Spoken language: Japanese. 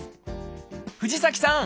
藤崎さん